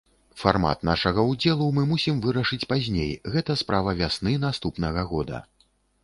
Фармат нашага ўдзелу мы мусім вырашыць пазней, гэта справа вясны наступнага года.